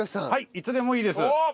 いつでもいいです。